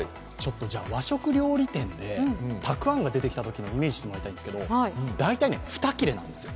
和食料理店でたくあんが出てきたときをイメージしてもらいたいんですけれども、大体２切れなんず。